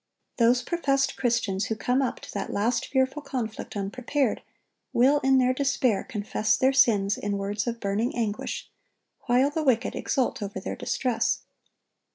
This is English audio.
Those professed Christians who come up to that last fearful conflict unprepared, will, in their despair, confess their sins in words of burning anguish, while the wicked exult over their distress.